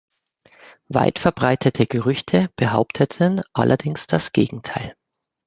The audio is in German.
Weitverbreitete Gerüchte behaupteten allerdings das Gegenteil.